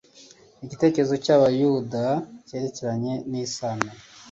Igitekerezo cy'Abayuda cyerekeranye n'isano